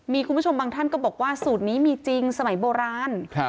มีคุณผู้ชมบางท่านก็บอกว่าสูตรนี้มีจริงสมัยโบราณ